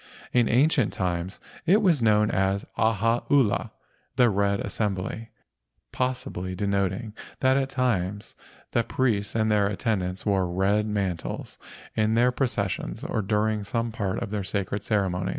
In ancient times it was known as Ahaula (the red assembly), possibly denoting that at times the priests and their attendants wore red man¬ tles in their processions or during some part of their sacred ceremonies.